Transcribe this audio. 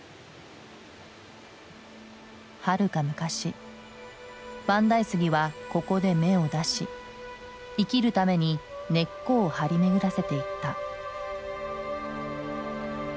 はるか昔万代杉はここで芽を出し生きるために根っこを張り巡らせていった。